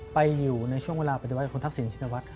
ไปอยู่ในช่วงเวลาปฏิวัติคุณทักษิณชินวัฒน